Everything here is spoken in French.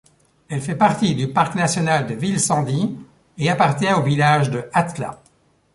Elle fait partie du Parc national de Vilsandi et appartient au village de Atla.